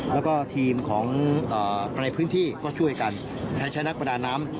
แล้วก็ทีมของเอ่อภายในพื้นที่ก็ช่วยกันแท้ฉันนักประดานน้ำ